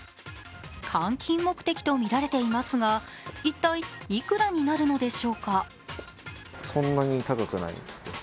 換金目的とみられていますが一体、いくらになるのでしょうか。